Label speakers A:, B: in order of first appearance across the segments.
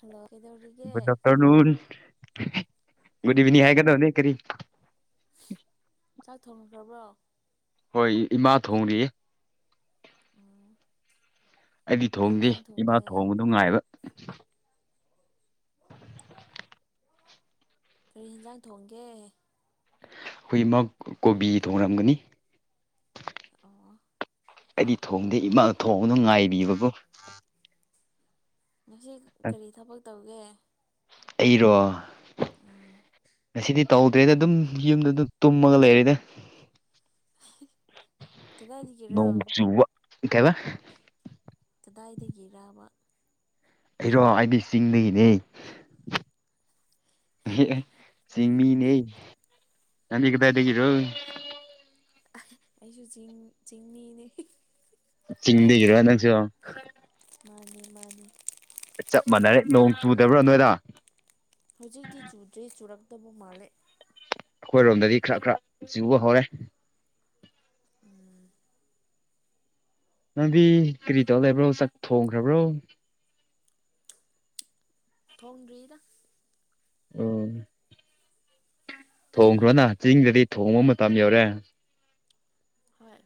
A: Hello ꯀꯩꯗꯧꯔꯤꯒꯦ꯫
B: Hello ꯒꯨꯠꯗ evening ꯍꯥꯏꯒꯗꯕꯅꯦ ꯀꯔꯤ
A: ꯆꯥꯛ ꯊꯣꯡꯈ꯭ꯔꯕ꯭ꯔꯣ
B: ꯍꯣꯏ ꯏꯃꯥ ꯊꯣꯡꯔꯤꯌꯦ꯫
A: ꯎꯝ
B: ꯑꯩꯗꯤ
A: ꯀꯔꯤ
B: ꯊꯣꯡꯗꯦ
A: ꯌꯦꯟꯖꯥꯡ
B: ꯏꯃꯥ
A: ꯊꯣꯡꯒꯦ
B: ꯊꯣꯡꯕꯗꯣ ꯉꯥꯏꯕ
A: ꯀꯔꯤ ꯌꯦꯟꯁꯥꯡ ꯊꯣꯡꯒꯦ꯫
B: ꯑꯩꯈꯣꯏ ꯏꯃ ꯀꯣꯕꯤ ꯊꯣꯡꯔꯝꯒꯅꯤ
A: ꯑꯣ
B: ꯑꯩꯗꯤ ꯊꯣꯡꯗꯦ ꯏꯃꯥ ꯊꯣꯡꯗꯣ ꯉꯥꯏꯔꯤꯕꯀꯣ
A: ꯉꯁꯤ ꯀꯔꯤ ꯊꯕꯛ ꯇꯧꯒꯦ꯫
B: ꯑꯩꯔꯣ ꯉꯁꯤꯗꯤ ꯇꯧꯗ꯭ꯔꯦꯗ ꯑꯗꯨꯝ ꯌꯨꯝꯗ ꯑꯗꯨꯝ ꯇꯨꯝꯃꯒ ꯂꯩꯔꯦꯗ
A: ꯀꯗꯥꯏꯗꯒꯤꯔꯣ
B: ꯅꯣꯡ ꯆꯨꯋꯥ ꯀꯩꯕ
A: ꯀꯗꯥꯏꯗꯒꯤꯔꯥꯕ
B: ꯑꯩꯔꯣ ꯑꯩꯗꯤ ꯆꯤꯡꯗꯒꯤꯅꯦ꯫ ꯑꯦ ꯆꯤꯡꯃꯤꯅꯦ ꯅꯪꯗꯤ ꯀꯗꯥꯏꯗꯒꯤꯔꯣ
A: ꯑꯩꯁꯨ ꯆꯤꯡ ꯆꯤꯡꯅꯤꯅꯦ
B: ꯆꯤꯡꯗꯒꯤꯔ ꯅꯪꯁꯨ
A: ꯃꯥꯅꯦ ꯃꯥꯅꯦ
B: ꯆꯞ ꯃꯥꯟꯅꯔꯦ ꯅꯣꯡ ꯆꯨꯗꯕ꯭ꯔꯥ ꯅꯣꯏꯗ
A: ꯍꯧꯖꯤꯛꯇꯤ ꯆꯨꯗ꯭ꯔꯦ ꯆꯨꯔꯛꯇꯧꯕ ꯃꯥꯜꯂꯦ꯫
B: ꯑꯩꯈꯣꯏ ꯔꯣꯝꯗꯗꯤ ꯈꯔ ꯈꯔ ꯆꯨꯕ ꯍꯧꯔꯦ꯫
A: ꯎꯝ
B: ꯅꯕꯤ ꯀꯔꯤ ꯇꯧ ꯂꯩꯕ꯭ꯔꯣ ꯆꯥꯛ ꯊꯣꯡꯈ꯭ꯔꯕ꯭ꯔꯣ
A: ꯊꯣꯡꯗ꯭ꯔꯤꯗ
B: ꯎꯝ ꯊꯣꯡꯈ꯭ꯔꯣꯅ ꯆꯤꯡꯗꯗꯤ ꯊꯣꯡꯕ ꯃꯇꯝ ꯌꯧꯔꯦ꯫
A: ꯍꯣꯏ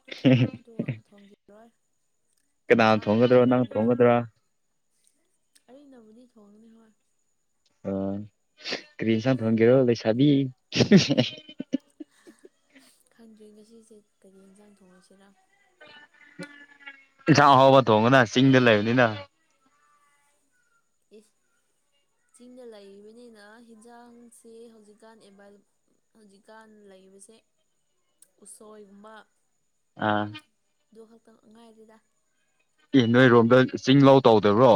B: [unintelligible]
A: ꯇꯨ ꯊꯣꯡꯈꯤꯔꯣꯏ
B: ꯀꯅꯥꯅ
A: ꯆꯥꯅꯕ
B: ꯊꯣꯡꯒꯗ꯭ꯔꯣ ꯅꯪ
A: ꯂꯩꯇꯕꯅꯤ꯫
B: ꯊꯣꯡꯒꯗ꯭ꯔꯥ
A: ꯑ ꯅꯕꯨꯗꯤ ꯊꯣꯡꯉꯅꯤ ꯍꯣꯏ
B: ꯑꯣ ꯀ꯭ꯔꯤꯁ ꯊꯣꯡꯒꯦꯔꯣ ꯂꯩꯩꯁꯥꯕꯤ꯫
A: ꯈꯪꯗ꯭ꯔꯤ ꯉꯁꯤꯁꯦ ꯀꯔꯤ ꯌꯦꯟꯖꯥꯡ ꯊꯣꯡꯉꯁꯤꯔ꫰꫰
B: ꯏꯟꯁꯥꯛ ꯑꯍꯥꯎꯕ ꯊꯣꯡꯉꯅ ꯆꯤꯡꯗ ꯂꯩꯕꯅꯤꯅ꯫
A: ꯑꯦꯁ ꯆꯤꯡꯗ ꯂꯩꯔꯤꯕꯅꯤꯅ ꯍꯤꯟꯖꯥꯡꯁꯦ ꯍꯧꯖꯤꯛꯀꯥꯟ ꯑꯦꯕꯥ ꯍꯧꯖꯤꯛꯀꯥꯟ ꯂꯩꯕꯁꯦ ꯎꯁꯣꯏꯒꯨꯝꯕ
B: ꯑꯥ
A: ꯑꯗꯨ ꯈꯛꯇꯪ ꯑꯉꯥꯏꯗꯨꯗ
B: ꯑꯦ ꯅꯣꯏꯔꯣꯝꯗ ꯆꯤꯡ ꯂꯥꯎ ꯇꯧꯗꯕ꯭ꯔꯣ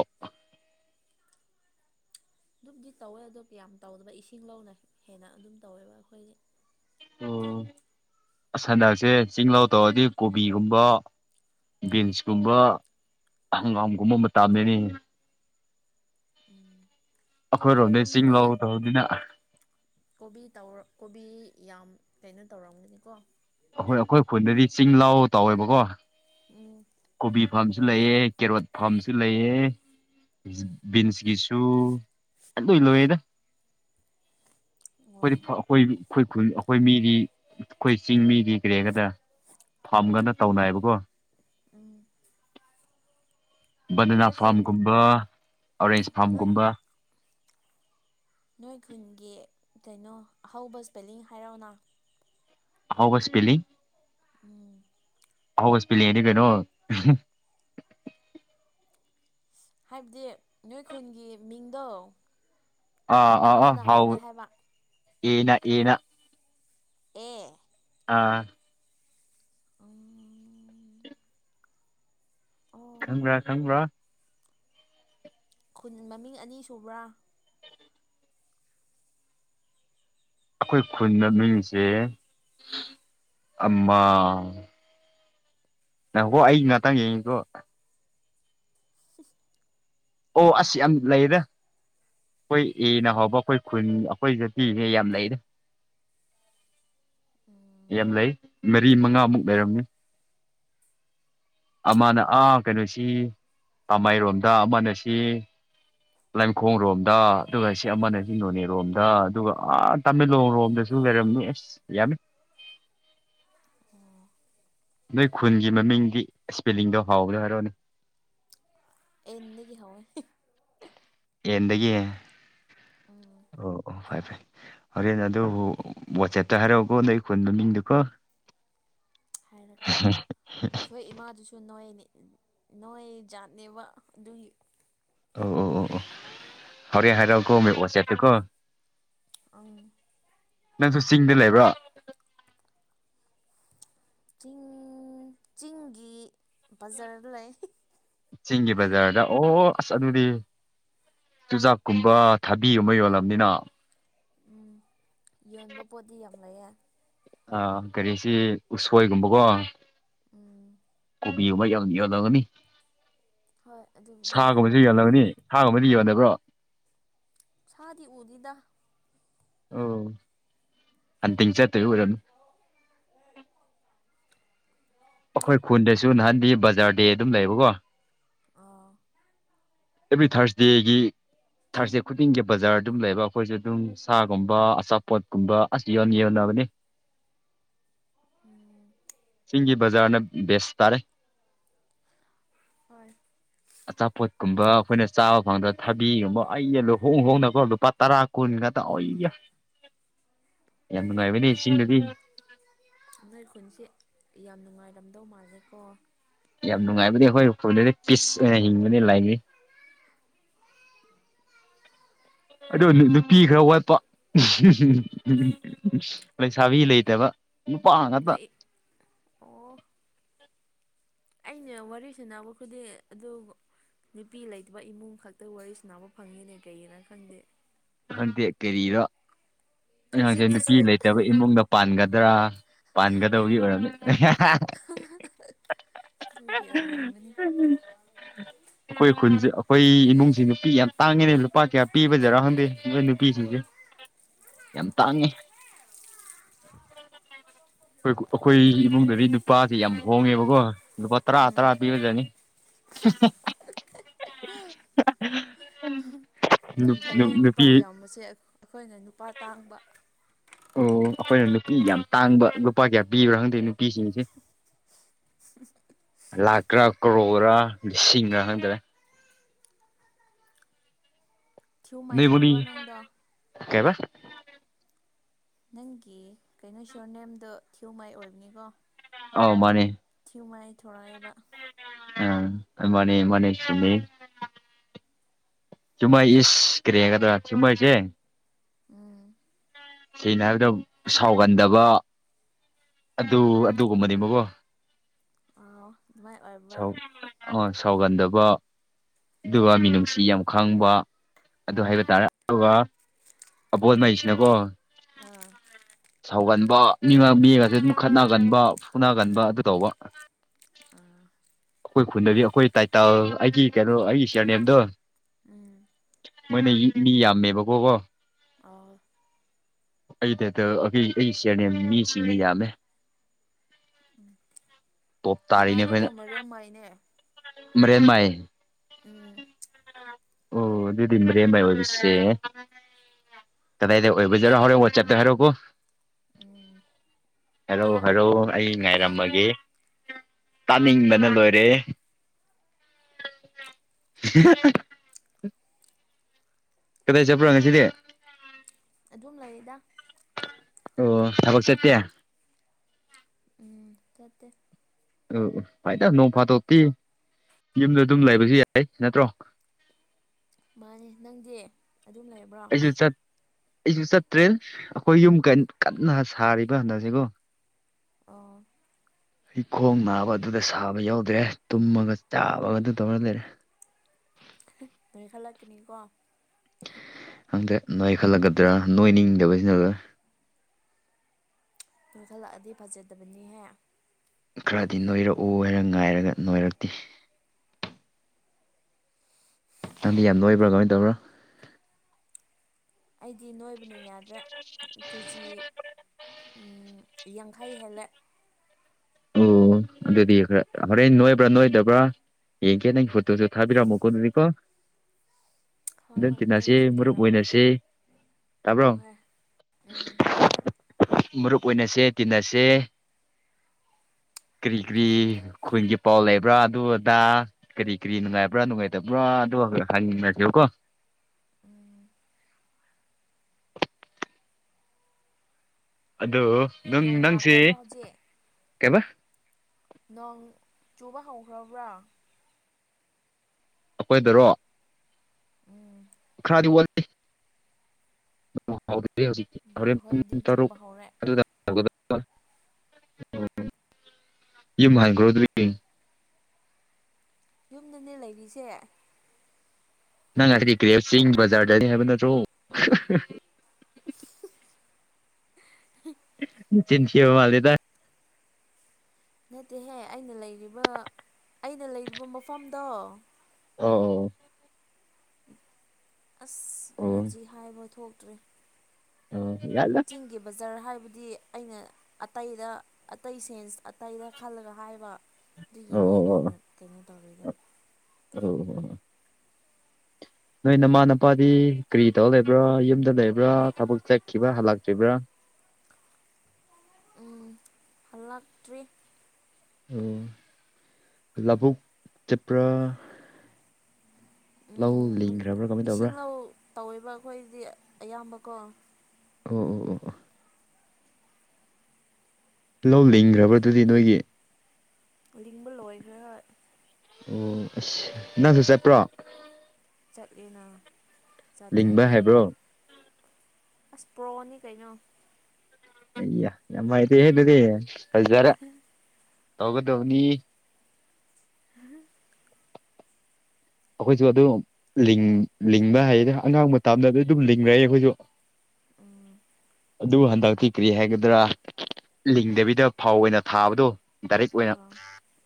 A: ꯑꯗꯨꯝꯗꯤ ꯇꯧꯋꯦ ꯑꯗꯣ ꯀꯌꯥꯝ ꯇꯧꯗꯕ ꯏꯁꯤꯡ ꯂꯧꯅ ꯍꯦꯟꯅ ꯑꯗꯨꯝ ꯇꯧꯋꯦꯕ ꯑꯩꯈꯣꯏꯒꯤ꯫ [inaudible]
B: ꯁꯟꯗꯛꯁꯦ ꯆꯤ ꯂꯥꯎ ꯇꯧꯔꯗꯤ ꯀꯣꯕꯤꯒꯨꯝꯕ ꯕꯤꯟꯁꯀꯨꯝꯕ ꯍꯪꯒꯥꯝꯒꯨꯝꯕ ꯃꯇꯥꯝꯗꯅꯤ꯫
A: ꯎꯝ
B: ꯑꯩꯈꯣꯏꯔꯣꯝꯗ ꯆꯤꯡ
A: ꯅꯣꯏꯔꯣꯝꯗꯗꯤ꯫
B: ꯂꯧ ꯇꯧꯕꯅꯤꯅ
A: ꯀꯣꯕꯤ ꯇ ꯀꯣꯕꯤ ꯌꯥꯝ ꯀꯩꯅꯣ ꯇꯧꯔꯝꯒꯅꯤꯀꯣ꯫
B: ꯑꯩꯈꯣꯏ ꯑꯩꯈꯣꯏ ꯈꯨꯟꯗꯗꯤ ꯆꯤꯡ ꯂꯥꯎ ꯇꯧꯋꯦꯕꯀꯣ꯫
A: ꯎꯝ
B: ꯀꯣꯕꯤ ꯐꯥꯔꯝꯁꯨ ꯂꯩꯑ ꯀꯦꯔꯣꯠ ꯐꯥꯝꯁꯨ ꯂꯩꯌꯦ꯫ ꯕꯤꯟꯁꯀꯤꯁꯨ ꯂꯣꯏ ꯂꯣꯏꯌꯦꯗ꯫
A: [inaudible] ꯑꯣ
B: ꯑꯩꯈꯣꯏꯗꯤ ꯑꯩꯈꯣꯏ ꯑꯩꯈꯣꯏ ꯈꯨ ꯑꯩꯈꯣꯏ ꯃꯤꯗꯤ ꯑꯩꯈꯣꯏ ꯆꯤꯡ ꯃꯤꯗꯤ꯫ ꯀꯤꯔꯦꯒꯗ ꯐꯝꯒꯅ ꯇꯧꯅꯏꯌꯦꯕꯀꯣ
A: ꯎꯝ
B: ꯕꯟꯗꯅꯥ
A: ꯅꯣꯏ ꯈꯨꯟ
B: ꯐꯥꯝꯒꯨꯝꯕ ꯑꯣꯔꯦꯟꯖ
A: ꯅꯣꯏ
B: ꯐꯥꯝꯒꯨꯝꯕ
A: ꯅꯣꯏ ꯈꯨꯟꯒꯤ ꯀꯩꯅꯣ ꯑꯍꯧꯕ ꯏꯁꯄꯦꯂꯤꯡ ꯍꯥꯏꯔꯛꯅ
B: ꯍꯕ ꯁꯄꯦꯂꯤ꯫
A: ꯎꯝ
B: ꯍꯁ ꯄꯤꯂ ꯌꯦꯅꯤ ꯀꯩꯅꯣ
A: ꯍꯥꯏꯕꯗꯤ ꯅꯣꯏ ꯈꯨꯟꯒꯤ ꯃꯤꯡꯗꯣ ꯀꯔꯝꯕꯅ ꯍꯧꯒꯦ ꯍꯥꯏꯕ
B: ꯌꯦꯅ ꯌꯦꯅ
A: ꯑꯥ
B: ꯑꯥ
A: ꯑ ꯑꯣ
B: ꯈꯪꯕ꯭ꯔꯥ ꯈꯪꯕ꯭ꯔꯥ
A: ꯈꯨꯟ ꯃꯃꯤꯡ ꯑꯅꯤ ꯁꯨꯕ꯭ꯔꯥ
B: ꯑꯩꯈꯣꯏ ꯈꯨꯟꯗ ꯃꯤꯁꯦ ꯑꯃ ꯅꯪ ꯍꯣ ꯑꯩ ꯉꯍꯥꯛꯇꯪ ꯌꯦꯡꯉꯤꯗꯣ ꯑꯣ ꯑꯁꯤ ꯌꯥꯝ ꯂꯩꯌꯦꯗ ꯑꯩꯈꯣꯏ ꯑꯦꯅ ꯍꯧꯕ ꯑꯩꯈꯣꯏ ꯈꯨꯟ ꯑꯩꯈꯣꯏ ꯖꯇꯤꯅꯦꯦ ꯌꯥꯝ ꯂꯩꯔꯦ꯫
A: ꯎꯝ
B: ꯌꯥꯝ ꯂꯩ ꯃꯔꯤ ꯃꯉꯥꯃꯨꯛ ꯂꯩꯔꯝꯃꯤ ꯑꯃꯅ ꯑꯥ ꯀꯩꯅꯣꯁꯤ ꯇꯥꯃꯥꯏꯔꯣꯝꯗ ꯑꯃꯅꯁꯤ ꯂꯩꯃꯈꯣꯡꯔꯣꯝꯗ ꯑꯗꯨꯒ ꯁꯤ ꯑꯃꯅ ꯁꯤ ꯅꯣꯅꯦꯔꯣꯝꯗ ꯑꯗꯨꯒ ꯇꯥꯃꯦꯡꯂꯣꯡ ꯔꯣꯝꯗꯁꯨ ꯂꯩꯔꯝꯅꯤ ꯑꯦꯁ ꯌꯥꯝꯃꯤ
A: ꯑꯣ
B: ꯅꯣꯏ ꯈꯨꯟꯒꯤ ꯃꯃꯤꯡꯗꯤ ꯏꯁꯄꯦꯂꯤꯡꯗꯣ ꯍꯥꯎꯕꯗꯣ ꯍꯥꯏꯔꯛꯑꯣꯅꯦ
A: ꯑꯦꯟꯗꯒꯤ ꯍꯧꯋꯦ
B: ꯑꯦꯟꯗꯒꯤ
A: ꯎꯝ
B: ꯑꯣ ꯑꯣ ꯐꯥꯏ ꯐꯥꯏ ꯍꯣꯔꯦꯟ ꯑꯗꯨꯕꯨ ꯋꯥꯆꯦꯞꯇ ꯍꯥꯏꯔꯛꯑꯣꯀꯣ ꯅꯣꯢ ꯈꯣꯟ ꯃꯃꯤꯡꯗꯨꯀꯣ
A: ꯍꯥꯏꯔꯛꯀꯦ ꯑꯩꯈꯣꯏ ꯏꯃꯥꯗꯨꯁꯨ ꯁꯨ ꯅꯣꯏꯅꯤ ꯅꯣꯏ ꯖꯥꯠꯅꯦꯕ ꯑꯗꯨꯒꯤ
B: ꯑꯣ ꯑꯣ ꯑꯣ ꯑꯣ ꯍꯣꯔꯦꯟ ꯍꯥꯏꯔꯛꯑꯣꯀꯣ ꯋꯥꯆꯦꯞꯇꯀꯣ
A: ꯑꯥ
B: ꯅꯪꯁꯨ ꯆꯤꯡꯗ ꯂꯩꯕ꯭ꯔꯣ
A: ꯆꯤꯡ ꯆꯤꯡꯒꯤ ꯕꯖꯥꯔꯗ ꯂꯩ
B: ꯆꯤꯡꯒꯤ ꯕꯖꯥꯔꯗ ꯑꯣ ꯑꯁ ꯑꯗꯨꯗꯤ ꯆꯨꯖꯥꯛꯀꯨꯝꯕ ꯊꯕꯤꯒꯨꯝꯕ ꯌꯣꯜꯂꯝꯅꯤꯅ
A: ꯎꯝ ꯌꯣꯟꯕ ꯄꯣꯠꯇꯤ ꯌꯥꯝ ꯂꯩꯑꯦ
B: ꯑꯥ ꯀꯔꯤꯁꯤ ꯎꯁꯣꯏꯒꯨꯝꯕꯀꯣ
A: ꯎꯝ
B: ꯀꯣꯕꯤꯒꯨꯝꯕ ꯌꯥꯝ ꯌꯥꯜꯂꯝꯒꯅꯤ
A: ꯍꯣꯏ ꯑꯗꯨꯕꯨꯗꯤ ꯌꯥꯝ
B: ꯁꯥꯒꯨꯝꯕꯁꯨ ꯌꯥꯜꯂꯒꯅꯤ
A: ꯌꯣꯟꯅꯩ
B: ꯁꯥꯒꯨꯝꯕꯗꯤ ꯌꯣꯟꯅꯕ꯭ꯔꯣ
A: ꯁꯥꯗꯤ ꯎꯗꯦꯗ
B: ꯑꯣ ꯍꯟꯇꯤꯡ ꯆꯠꯇꯣꯏ ꯑꯣꯏꯔꯝꯅꯤ ꯑꯩꯈꯣꯏ ꯈꯨꯟꯗꯁꯨ ꯅꯍꯥꯟꯗꯤ ꯕꯖꯥꯔꯗꯤ ꯑꯗꯨꯝ ꯂꯩꯕꯀꯣ
A: ꯑꯣ
B: ꯑꯦꯚ꯭ꯔꯤ ꯊꯥꯔꯁꯗꯦꯒꯤ ꯊꯔꯁꯦ ꯈꯨꯗꯤꯡꯒꯤ ꯕꯖꯥꯔ ꯑꯗꯨꯝ ꯂꯩꯕ ꯑꯩꯈꯣꯏꯁꯦ ꯑꯗꯨꯝ ꯁꯥꯒꯨꯝꯕ ꯑꯆꯥꯄꯣꯠꯀꯨꯝꯕ ꯑꯁ ꯌꯥꯝ ꯌꯣꯟꯅꯕꯅꯦ ꯆꯤꯡꯒꯤ ꯕꯖꯥꯔꯅ ꯕꯦꯁ ꯇꯥꯔꯦ
A: ꯍꯣꯏ
B: ꯑꯆꯥꯄꯣꯠꯀꯨꯝꯕ ꯑꯩꯈꯣꯏꯅ ꯆꯥꯕ ꯐꯪꯗ ꯊꯕꯤꯒꯨꯝꯕ ꯑꯩ ꯍꯣꯡ ꯍꯣꯡꯅꯀꯣ ꯂꯨꯄꯥ ꯇꯔꯥ ꯀꯨꯟ ꯈꯇ ꯑꯣꯏꯌꯥ
A: [inaudible]
B: ꯌꯥꯝ ꯅꯨꯡꯉꯥꯏꯕꯅꯦ ꯆꯤꯡꯗꯗꯤ
A: ꯅꯣꯏ ꯈꯨꯟꯁꯤ ꯌꯥꯝ ꯅꯨꯡꯉꯥꯏꯔꯝꯗꯧ ꯃꯥꯜꯂꯦꯀꯣ
B: ꯌꯥꯝ ꯅꯨꯡꯉꯥꯏꯕꯗꯤ ꯑꯩꯈꯣꯏ ꯎꯈꯨꯜꯗꯗꯤ ꯄꯤꯁ ꯑꯣꯏꯅ ꯍꯤꯡꯕꯅꯤ ꯂꯥꯏ ꯑꯗꯣ ꯅꯨꯄꯤ ꯈꯔ ꯋꯥꯠꯄ [unintelligible] ꯂꯩꯁꯥꯕꯤ ꯂꯩꯇꯕ ꯅꯨꯄꯥ ꯉꯥꯛꯇ
A: ꯅꯣꯏ ꯑꯣ ꯑꯩꯅ ꯋꯥꯔꯤ ꯁꯅꯕ ꯈꯨꯗꯤꯡ ꯑꯗꯨ ꯅꯨꯄꯤ ꯂꯩꯇꯕ ꯏꯃꯨꯡ ꯈꯛꯇ ꯋꯥꯔꯤ ꯁꯅꯕ ꯐꯪꯉꯤꯅꯦ ꯀꯩꯒꯤꯅ ꯈꯪꯗꯦ
B: ꯈꯡꯗꯦ ꯀꯔꯤꯔꯣ ꯅꯍꯥꯡꯁꯦ ꯅꯨꯄꯤ
A: ꯍꯧꯖꯤꯛꯇꯁꯨ
B: ꯂꯩꯇꯕꯩ ꯏꯃꯨꯡꯗ ꯄꯥꯟꯒꯗ꯭ꯔꯥ ꯄꯥꯟꯒꯗꯧꯒꯤ ꯑꯣꯏꯔꯝꯅꯤ [inaudible]
A: ꯑꯗꯨꯒꯤ ꯑꯣꯏꯔꯝꯒꯅꯤ
B: [inaudible] [unintelligible] ꯑꯩꯈꯣꯏ ꯈꯨꯟꯁꯦ ꯑꯩꯈꯣꯏ ꯏꯃꯨꯡꯁꯤ ꯅꯨꯄꯤ ꯌꯥꯝ ꯇꯥꯡꯉꯦꯅꯦ ꯂꯨꯄꯥ ꯀꯌꯥ ꯄꯤꯕꯖꯔꯥ ꯈꯪꯗꯦ ꯑꯗꯨ ꯅꯨꯄꯤꯁꯤꯡꯁꯦ ꯌꯥꯝ ꯇꯥꯡꯉꯦ
A: [inaudible]
B: ꯑꯩꯈꯣꯏ ꯑꯩꯈꯣꯏ ꯏꯃꯨꯡꯗꯗꯤ ꯅꯨꯄꯥꯗꯤ ꯌꯥꯝ ꯍꯣꯡꯉꯦꯕꯀꯣ ꯂꯨꯄꯥ ꯇꯥꯔ ꯇ꯭ꯔꯥ ꯄꯤꯖꯖꯅꯤ
A: [inaudible] ꯌꯥꯝ ꯐꯩꯌꯦ
B: [unintelligible]
A: ꯅꯨꯄꯥ ꯌꯥꯝꯕꯁꯦ ꯑꯩꯈꯣꯏꯅ ꯅꯨꯄꯥ ꯇꯥꯡꯕ
B: ꯑꯣ ꯑꯩꯈꯣꯏꯅ ꯅꯨꯄꯤ ꯌꯥꯝ ꯇꯥꯡꯕ ꯂꯨꯄꯥ ꯀꯌꯥ ꯄꯤꯕ꯭ꯔꯥ ꯈꯪꯗꯦ ꯅꯨꯄꯤꯁꯤꯡꯁꯦ ꯂꯥꯛꯀꯔꯥ ꯀꯔꯣꯔ ꯂꯤꯁꯤꯡꯂ ꯈꯪꯗꯔꯦ
A: ꯊꯤꯌꯨꯝ ꯃꯩꯔꯦꯑꯦ ꯅꯪꯗꯣ
B: ꯀꯩꯕꯑ
A: ꯅꯪꯒꯤ ꯀꯩꯅꯣꯁꯣꯔ ꯅꯦꯝꯗꯣ ꯊꯤꯌꯨꯃꯩꯏ ꯑꯣꯏꯕꯅꯤꯀꯣ
B: ꯑꯧ ꯃꯥꯅꯦ
A: ꯊꯤꯌꯨꯃꯩ ꯊꯣꯔꯛꯑꯕ
B: ꯑ ꯃꯅꯦ ꯃꯅꯦ ꯆꯨꯝꯃꯦ ꯆꯨꯝꯃꯥꯏ ꯏꯁ ꯀꯔꯤꯒꯗ꯭ꯔꯥ ꯊꯤꯃꯩꯁꯦ
A: ꯎꯝ
B: ꯁꯦꯅꯥꯟꯗꯝ ꯁꯥꯎꯒꯟꯗꯕ ꯑꯗꯨ ꯑꯗꯨꯒꯨꯝꯕꯅꯦ ꯒꯣ
A: ꯑꯧ ꯗꯨꯃꯥꯏꯑꯣꯏ
B: ꯁꯥꯎ ꯑ ꯁꯥꯎꯒꯟꯗꯕ ꯑꯗꯨꯒ ꯃꯤꯅꯨꯡꯁꯤ ꯌꯥꯝ ꯈꯪꯕ ꯑꯗꯨ ꯍꯥꯏꯕ ꯇꯥꯔꯦ ꯑꯗꯨꯒ ꯑꯕꯣꯠ ꯃꯩꯁꯤꯅꯀꯣ
A: ꯑꯥ
B: ꯁꯧꯒꯟꯕ ꯃꯤ ꯃꯤꯒꯁꯦ ꯑꯗꯨꯝ ꯈꯠꯅꯒꯟꯕ ꯐꯨꯅꯥꯒꯟꯕ ꯑꯗꯨ ꯇꯧꯕ
A: ꯑꯥ
B: ꯑꯩꯈꯣꯏ ꯈꯨꯟꯗꯗꯤ ꯑꯩꯈꯣꯏ ꯇꯥꯏꯇꯜ ꯑꯩꯒꯤ ꯀꯩꯅꯣ ꯑꯩꯒꯤ ꯁꯤꯌꯥꯔ ꯅꯦꯝꯗꯣ
A: ꯎꯝ
B: ꯃꯣꯏꯅ ꯃꯤ ꯌꯥꯝꯃꯦꯕꯀꯣ ꯀꯣ
A: ꯑꯧ
B: ꯑꯩꯗꯗ ꯑꯕꯤ ꯑꯩꯁꯤꯔꯅꯦꯝ ꯃꯤꯁꯤꯡꯅ ꯌꯥꯝꯃꯦ ꯇꯣꯞ
A: ꯏꯃꯥꯒꯤꯗꯣ ꯃꯔꯦꯝ ꯃꯥꯏꯅꯦ
B: ꯃꯔꯦꯝ ꯃꯥꯏ
A: ꯎꯝ
B: ꯑꯣ ꯑꯗꯨꯗꯤ ꯃꯔꯦꯝꯃꯥꯏ ꯑꯣꯏꯕꯁꯦ ꯀꯗꯥꯏꯗ ꯑꯣꯏꯕꯖꯔꯣ ꯍꯣꯔꯦꯟ ꯋꯥꯠꯆꯞꯇ ꯍꯥꯏꯔꯛꯑꯣꯀꯣ
A: ꯎꯝ
B: ꯍꯔꯣ ꯍꯔꯣ ꯑꯩ
A: ꯍꯥꯏꯔꯛꯀꯦ
B: ꯉꯥꯏꯔꯝꯃꯒꯦ
A: ꯍꯥꯏꯔꯛꯀꯦ
B: ꯇꯥꯅꯤꯡꯕꯅ ꯂꯣꯏꯔꯦ [inaudible] ꯀꯗꯥꯏ ꯆꯠꯄꯔ ꯉꯁꯤꯗꯤ
A: ꯑꯗꯨꯝ ꯂꯩꯗ
B: ꯑꯣ ꯊꯕꯛ ꯆꯠꯇꯦ
A: ꯎꯝ ꯁꯠꯇꯦ
B: ꯎꯝ ꯎ ꯐꯥꯏꯗ ꯅꯣꯡ ꯐꯥꯠꯇꯣꯛꯇꯤ ꯌꯨꯝꯗ ꯑꯗꯨꯝ ꯂꯩꯕꯁꯨ ꯌꯥꯏ ꯅꯠꯇ꯭ꯔꯣ
A: ꯃꯥꯅꯦ ꯅꯪꯗꯤ ꯑꯗꯨꯝ ꯂꯩꯔꯕ꯭ꯔꯣ
B: [unintelligible] ꯑꯩꯁꯨ ꯆꯠꯇ꯭ꯔꯦ ꯑꯩꯈꯣꯏ ꯌꯨꯝ ꯀꯟ ꯀꯟꯅ ꯁꯥꯔꯤꯕ ꯍꯟꯗꯛꯁꯦꯒꯣ
A: ꯑꯣ
B: ꯏꯈꯣꯡ ꯅꯥꯕ ꯑꯗꯨꯗ ꯁꯥꯕ ꯌꯥꯎꯗ꯭ꯔꯦ ꯇꯨꯝꯃꯒ ꯆꯥꯕꯒ ꯑꯗꯨ ꯇꯧꯔ ꯂꯩꯔꯦ
A: ꯅꯣꯏꯈꯜꯂꯛꯀꯅꯤꯀꯣ
B: ꯍꯪꯗꯦ ꯅꯣꯏ ꯈꯜꯂꯛꯒꯗ꯭ꯔꯥ ꯅꯣꯏꯅꯤꯡꯗꯕꯁꯤꯅ
A: ꯅꯣꯏꯈꯠꯂꯛꯑꯗꯤ ꯐꯖꯗꯕꯅꯤꯍꯦ
B: ꯈꯔꯗꯤ ꯅꯣꯏꯔꯛꯎ ꯍꯥꯏꯅ ꯉꯥꯏꯔꯒ ꯅꯣꯏꯔꯛꯇꯦ ꯅꯪꯗꯤ ꯌꯥꯝ ꯅꯣꯏꯕ꯭ꯔꯥ ꯀꯃꯥꯏꯅ ꯇꯧꯕꯔꯥ
A: ꯑꯩꯗꯤ ꯅꯣꯏꯕꯅ ꯌꯥꯗ꯭ꯔꯦ ꯀꯦꯖꯤ ꯎꯝ ꯌꯥꯡꯈꯩ ꯍꯦꯜꯂꯦ
B: ꯑꯣ ꯑꯗꯨꯗꯤ ꯈꯔ ꯍꯣꯔꯦꯟ ꯅꯣꯏꯕ꯭ꯔꯥ ꯅꯣꯏꯗꯕ꯭ꯔꯥ ꯌꯦꯡ ꯀꯦ ꯅꯪ ꯐꯣꯇꯣꯁꯨ ꯊꯕꯤꯔꯛꯝ ꯃꯨꯀꯣ ꯗꯨꯗꯤꯀꯣ
A: ꯍꯣꯏ ꯍꯣꯏ ꯅꯪꯒꯤꯁꯨ
B: ꯃꯔꯨꯞ
A: ꯊꯥꯔꯛꯑꯣ
B: ꯑꯣꯏꯅꯁꯦ ꯇꯥꯕ꯭ꯔꯣ
A: ꯍ‌ꯣꯏ ꯎꯝ ꯌꯥꯏ
B: ꯃꯔꯨꯞ ꯑꯣꯏꯅꯁꯦ ꯇꯤꯟꯅꯁꯦ ꯀꯔꯤ ꯀꯔꯤ
A: ꯑꯗꯨꯅꯦ
B: ꯈꯣꯏꯖꯞ ꯄꯥꯎ ꯂꯩꯕ꯭ꯔꯥ ꯑꯗꯨ ꯑꯗꯥ ꯀꯔꯤ ꯀꯔꯤ ꯅꯨꯡꯉꯥꯏꯕ꯭ꯔꯥ ꯅꯨꯡꯉꯥꯏꯇꯕ꯭ꯔꯥ ꯑꯗꯨ ꯍꯪꯅꯖ‌ꯦꯕꯀꯣ
A: ꯎꯝ
B: ꯑꯗꯣ
A: ꯅꯣꯡ ꯂꯥꯛꯈ꯭ꯔꯕ꯭ꯔꯥ ꯍꯧꯖꯤꯛ
B: ꯀꯩꯕ
A: ꯅꯣꯡ ꯆꯨꯕ ꯍꯧꯒ꯭ꯔꯕ꯭ꯔꯥ
B: ꯑꯈꯣꯏꯗꯔꯣ
A: ꯎꯝ
B: ꯈꯗꯤ ꯋꯥꯠꯂꯤ [unintelligible] ꯍꯧꯔ‌ꯦꯟ ꯄꯨꯡ
A: ꯑꯩꯈꯣꯏꯗꯤ
B: ꯇꯔꯨꯛ
A: ꯆꯨꯕ ꯍꯧꯔꯦ
B: ꯑꯗꯨꯗꯥ [unintelligible] ꯌꯨꯝ ꯍꯟꯒꯔ‌ꯣ ꯑꯗꯨꯗꯤ
A: ꯌꯨꯝꯗꯅꯦ ꯂꯩꯔꯤꯁꯦ
B: ꯅꯪ ꯉꯁꯥꯏꯗꯤ ꯀꯔꯤ ꯆꯤꯡ ꯕꯖꯥꯔꯗꯅꯤ ꯍꯥꯏꯕ ꯅꯠꯇ꯭ꯔꯣ ꯆꯤꯟꯊꯤꯕ ꯃꯥꯜꯂꯤꯗ
A: ꯅꯠꯇꯦꯍꯦ ꯑꯩꯅ ꯂꯩꯔꯤꯕ ꯑꯩꯅ ꯂꯩꯔꯤꯕ ꯃꯐꯝꯗꯣ
B: ꯑꯣ
A: ꯑꯁ
B: ꯑꯣ
A: ꯑꯩ
B: ꯑꯣ
A: ꯍꯧꯖꯤꯛ ꯍꯥꯏꯕ ꯊꯣꯛꯇ꯭ꯔ‌ꯦ
B: ꯑꯣ ꯌꯥꯏꯗ
A: ꯆꯤꯡꯒꯤ ꯕꯖꯥꯔ ꯍꯥꯏꯕꯗꯤ ꯑꯩꯅ ꯑꯇꯩꯗ ꯑꯇꯩ ꯁꯦꯟꯁ ꯑꯇꯩꯗ ꯈꯜꯂꯒ ꯍꯥꯏꯕ
B: ꯑꯣ
A: ꯑꯗꯨꯒꯤꯅꯦ
B: ꯑꯣ
A: ꯅꯪꯅ ꯀꯩꯅꯣ ꯇꯧꯔꯤꯗꯣ
B: ꯑꯧ ꯍꯥ ꯅꯣꯏ ꯅꯃꯥ ꯅꯄꯥꯗꯤ ꯀꯔꯤ ꯇꯧꯔ ꯂꯩꯕ꯭ꯔꯥ ꯌꯨꯝꯗ ꯂꯩꯕ꯭ꯔꯥ ꯊꯕꯛ ꯆꯠꯈꯤꯕ꯭ꯔꯥ ꯍꯜꯂꯛꯇ꯭ꯔꯤꯕ꯭ꯔꯥ
A: ꯎꯝ ꯍꯜꯂꯛ ꯇ꯭ꯔꯤ
B: ꯑꯣ ꯂꯕꯨꯨꯛ ꯆꯠꯄ꯭ꯔꯥ ꯂꯧ
A: ꯎꯝ
B: ꯂꯤꯡꯈ꯭ꯔꯕ꯭ꯔꯥ ꯀꯃꯥꯏꯅ
A: ꯏꯁꯤꯡ
B: ꯇꯧꯕ꯭ꯔꯥ
A: ꯂꯧ ꯇꯧꯋꯦꯕ ꯑꯩꯈꯣꯏꯒꯤ ꯑꯌꯥꯝꯕꯀꯣ
B: ꯑꯣ ꯑꯣ ꯑꯣ ꯑꯣ ꯂꯧ ꯂꯤꯡꯒ꯭ꯔꯕꯗꯨꯗꯤ ꯅꯣꯏꯒꯤ
A: ꯂꯤꯡꯕ ꯂꯣꯏꯈ꯭ꯔꯦ ꯍꯣꯏ
B: ꯑꯣ ꯑꯁ ꯅꯪꯁꯨ ꯆꯠꯄ꯭ꯔꯣ
A: ꯆꯠꯂꯤꯅ
B: ꯂꯤꯡꯕ
A: ꯆꯠꯇ꯭ꯔꯗꯤ
B: ꯍꯥꯏꯕ꯭ꯔꯣ
A: ꯑꯁ ꯄ꯭ꯔꯣꯅꯤ ꯀꯩꯅꯣ
B: ꯑꯌꯥ ꯌꯥꯝ ꯍꯩꯔ‌ꯦ ꯍꯦ ꯗꯨꯗꯤ ꯐꯖꯔ ꯇꯧꯒꯗꯧꯅꯤ ꯑꯩꯈꯣꯏꯖꯨ ꯑꯗꯨꯝ ꯂꯤꯡ ꯂꯤꯡꯕ ꯍꯩꯔ‌ꯦ ꯑꯉꯥꯡ ꯃꯇꯝꯗ ꯑꯗꯨꯝ ꯂꯤꯡꯒꯔ‌ꯦ ꯑꯩꯈꯣꯏꯖꯨ
A: ꯑꯥ
B: ꯑꯗꯨ ꯍꯟꯗꯛꯇꯤ ꯀꯔꯤ ꯍꯥꯏꯒꯗ꯭ꯔꯥ ꯂꯤꯡꯗꯕꯤꯗ ꯐꯧ ꯑꯣꯏꯅ ꯊꯥꯕꯗꯣ ꯗꯥꯏꯔꯦꯛ ꯑꯣꯏꯅ
A: ꯑꯥ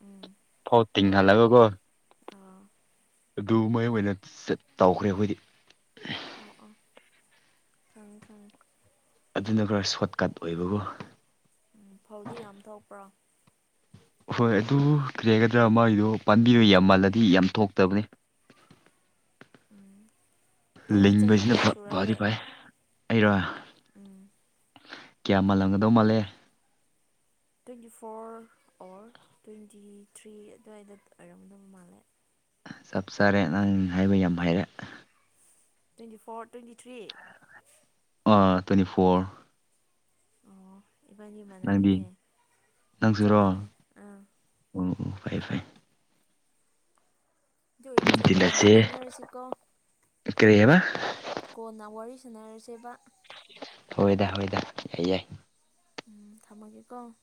A: ꯎꯝ
B: ꯐꯧ ꯇꯤꯡꯍꯜꯂꯒ ꯒꯣ
A: ꯑꯧ
B: ꯑꯗꯨ ꯃꯥꯏ ꯑꯣꯏꯅ ꯆꯠ ꯇꯧꯈ꯭ꯔꯦ ꯑꯩꯈꯣꯏꯗꯤ
A: ꯑ‌ꯣ ꯑ‌ꯣ ꯈꯪꯉ‌ꯦ ꯈꯪꯉꯦ
B: ꯑꯗꯨꯅ ꯈꯔ ꯁꯣꯔꯠ ꯀꯠ ꯑꯣꯏꯕꯒꯣ
A: ꯎꯝ ꯐꯧꯗꯤ ꯌꯥꯝ ꯊꯣꯛꯄ꯭ꯔꯣ
B: ꯍꯣꯏ ꯑꯗꯨ ꯀꯔꯤ ꯍꯥꯏꯒꯗ꯭ꯔꯥ ꯃꯥꯏꯗꯣ ꯄꯥꯟꯕꯤꯗꯣ ꯌꯥꯝ ꯃꯥꯜꯂꯗꯤ ꯌꯥꯝ ꯊꯣꯛꯇꯕꯅꯤ
A: ꯎꯝ ꯅꯪꯗꯤ ꯆꯍꯤ
B: ꯂꯤꯡꯕꯁꯤꯅ
A: ꯀꯌꯥ
B: ꯐ ꯐꯗꯤ
A: ꯁꯨꯔꯒꯦ
B: ꯐꯩ ꯑꯩꯔꯣ
A: ꯎꯝ
B: ꯀꯌꯥ ꯃꯥꯜꯂꯝꯒꯗꯧ ꯃꯥꯜꯂꯦ
A: twenty four or twenty three ꯑꯗꯨꯋꯥꯏꯗ ꯑꯣꯏꯔꯝꯒꯗꯕ ꯃꯥꯜꯂꯦ
B: ꯆꯞ ꯆꯥꯔꯦ ꯅꯪ ꯍꯥꯏꯕ ꯌꯥꯝ ꯍꯩꯔꯦ
A: ꯇ꯭ꯋꯦꯟꯇꯤ ꯐꯣꯔ ꯇ꯭ꯋꯦꯟꯇꯤ ꯊ꯭ꯔꯤ
B: ꯑ ꯇ꯭ꯋꯦꯟꯇꯤ ꯐꯣꯔ
A: ꯏꯕꯥꯟꯅꯤ
B: ꯅꯪꯗꯤ
A: ꯃꯥꯟꯅꯔꯦꯅꯦ ꯆꯞ ꯃꯥꯟꯅꯩ ꯑꯥ
B: ꯎꯝ ꯐꯩ ꯐꯩ
A: ꯑꯗꯨ ꯑꯣꯏꯗꯤ ꯀꯣꯟꯅ ꯉꯥꯡꯅꯔꯁꯤꯀꯣ
B: ꯀ꯭ꯔꯤ ꯍꯥꯏꯕ
A: ꯀꯣꯟꯅ ꯋꯥꯔꯤ ꯁꯥꯟꯅꯔꯁꯦꯕ
B: ꯍꯣꯏꯗ ꯍꯣꯏꯗ ꯌꯥꯏ ꯌꯥꯏ
A: ꯎꯝ ꯊꯝꯃꯒꯦꯀꯣ